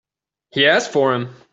He asked for him.